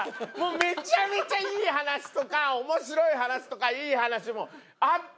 めちゃめちゃいい話とか面白い話とかいい話もあったのに。